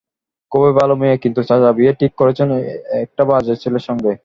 খুবই ভালো মেয়ে, কিন্তু চাচা বিয়ে ঠিক করেছেন একটা বাজে ছেলের সঙ্গে।